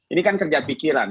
ini kan kerja pikiran